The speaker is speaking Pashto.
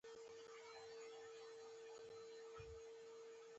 منظم ژوند د آرامۍ سبب دی.